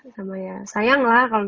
mana mikir giant gitu